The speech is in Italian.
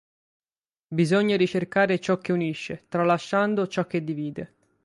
Bisogna ricercare ciò che unisce, tralasciando ciò che divide.